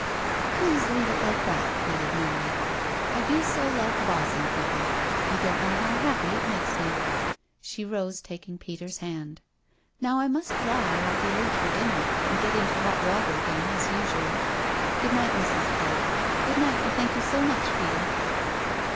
" Please leave it like that," pleaded Mary. " I do so love bossing people — ^you don't know how happy it makes me." She rose, taking 'Peter's hand. "Now I must fly, or I'll be late for dinner, and get into hot water again, as usual. Good night, Mrs. Clegg. Good night and thank you so much, Peter."